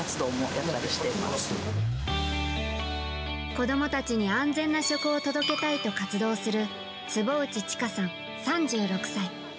子供たちに安全な食を届けたいと活動する坪内知佳さん、３６歳。